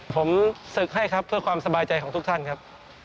ผมศึกให้ครับเพื่อความสบายใจของทุกท่านครับ